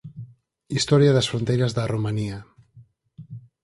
Historia das fronteiras da Romanía